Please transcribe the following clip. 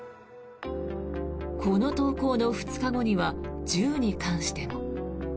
この投稿の２日後には銃に関しても。